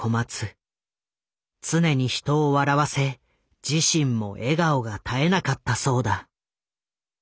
常に人を笑わせ自身も笑顔が絶えなかったそうだ。